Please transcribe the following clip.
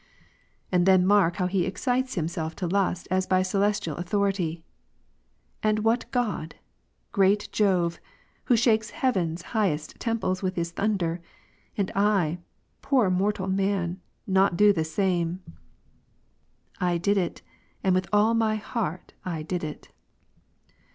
And then mark how he excites himself to lust as by celestial authority ; And what God ? Great Jove, Who shakes heav'n's highest temples with his thunder. And I, poor mortal man, not do the same! I did it, and with all my heart I did it.